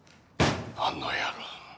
あの野郎。